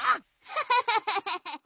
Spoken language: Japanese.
ハハハハハハ！